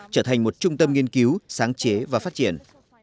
trở thành một trung tâm nghiên cứu sáng chế và phát triển